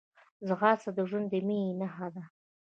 ځغاسته د ژوند د مینې نښه ده